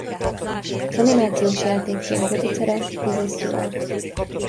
Az animációs játékfilm producere Lisa Stewart.